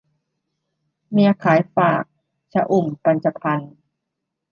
เมียขายฝาก - ชอุ่ม ปัญจพรรค์